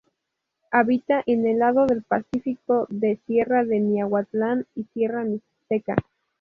Habita en el lado del Pacífico de Sierra de Miahuatlán y Sierra Mixteca.